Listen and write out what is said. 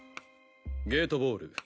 ゲートボール。